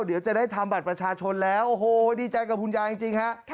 เดี๋ยวจะได้ทำบัตรประชาชนแล้วโอ้โหดีใจกับคุณยายจริงฮะ